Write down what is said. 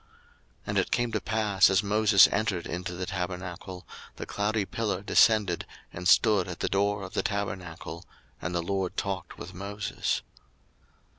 02:033:009 And it came to pass, as Moses entered into the tabernacle, the cloudy pillar descended, and stood at the door of the tabernacle, and the Lord talked with Moses.